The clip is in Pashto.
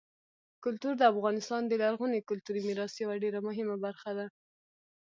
کلتور د افغانستان د لرغوني کلتوري میراث یوه ډېره مهمه برخه ده.